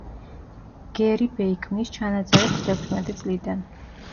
გერიბეი ქმნის ჩანაწერებს თექვსმეტი წლიდან.